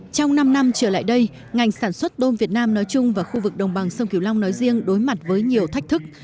trong năm năm trở lại đây ngành sản xuất tôm việt nam nói chung và khu vực đồng bằng sông kiều long nói riêng đối mặt với nhiều thách thức